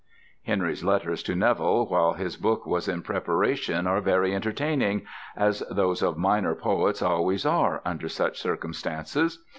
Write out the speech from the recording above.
Henry's letters to Neville while his book was in preparation are very entertaining, as those of minor poets always are under such circumstances.